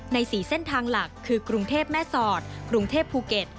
๔เส้นทางหลักคือกรุงเทพแม่สอดกรุงเทพภูเก็ต